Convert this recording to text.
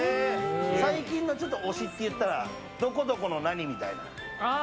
最近の推しっていったらどこどこの何みたいな。